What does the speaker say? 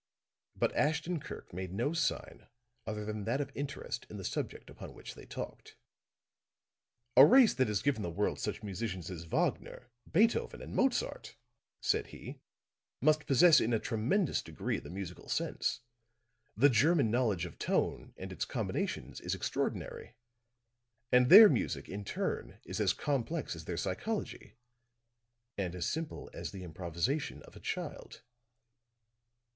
But Ashton Kirk made no sign other than that of interest in the subject upon which they talked. "A race that has given the world such musicians as Wagner, Beethoven and Mozart," said he, "must possess in a tremendous degree the musical sense. The German knowledge of tone and its combinations is extraordinary; and their music in turn is as complex as their psychology and as simple as the improvisation of a child."